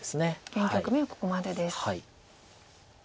現局面はここまでです。